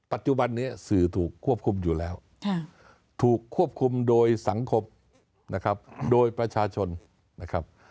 ปัจจุบันนี้สื่อถูกควบคุมอยู่แล้วถูกควบคุมโดยสังคมนะครับโดยประชาชนนะครับ